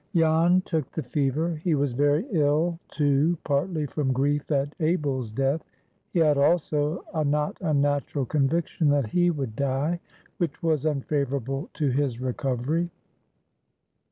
JAN took the fever. He was very ill, too, partly from grief at Abel's death. He had also a not unnatural conviction that he would die, which was unfavorable to his recovery.